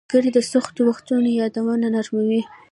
• ملګري د سختو وختونو یادونه نرموي.